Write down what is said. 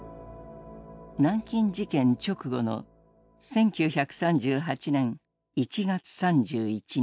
南京事件直後の１９３８年１月３１日。